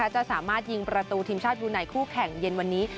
จะสามารถยิงประตูทีมชาติบูไนคู่แข่งเย็นวันนี้